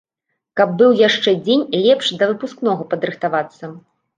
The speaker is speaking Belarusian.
Каб быў яшчэ дзень лепш да выпускнога падрыхтавацца.